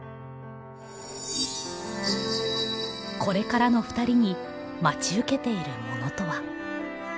これからのふたりに待ち受けているものとは？